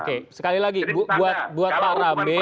oke sekali lagi buat pak rame